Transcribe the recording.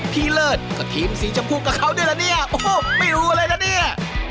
เลิศก็ทีมสีชมพูกับเขาด้วยละเนี่ยโอ้โหไม่รู้เลยนะเนี่ย